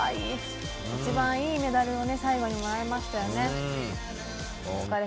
一番いいメダルを最後にもらいましたよね。